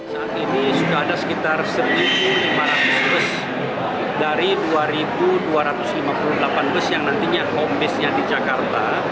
saat ini sudah ada sekitar satu lima ratus bus dari dua dua ratus lima puluh delapan bus yang nantinya home base nya di jakarta